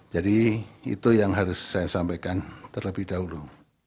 jadi itu yang harus saya sampaikan terlebih dahulu